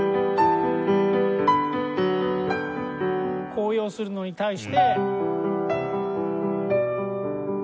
高揚するのに対して。